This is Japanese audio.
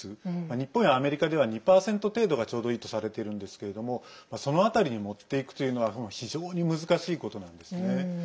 日本やアメリカでは２％程度がちょうどいいとされているんですけれどもその辺りに持っていくというのは非常に難しいことなんですね。